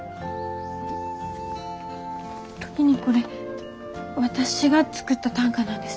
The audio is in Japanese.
時にこれ私が作った短歌なんです。